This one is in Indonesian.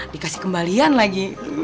dikasih kembalian lagi